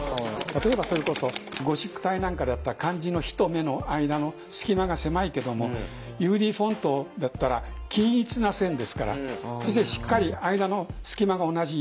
例えばそれこそゴシック体なんかだったら漢字の日と目の間の隙間が狭いけどもＵＤフォントだったら均一な線ですからそしてしっかり間の隙間が同じ。